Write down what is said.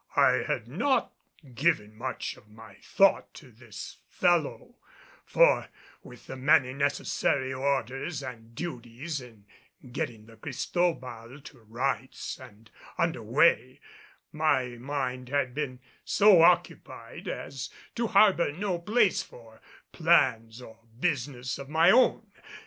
I had not given much of my thought to this fellow, for with the many necessary orders and duties in getting the Cristobal to rights and under way my mind had been so occupied as to harbor no place for plans or business of my own.